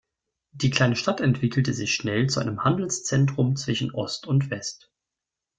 Die kleine Stadt entwickelte sich schnell zu einem Handelszentrum zwischen Ost und West.